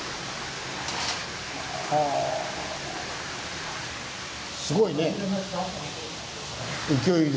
はぁすごいね。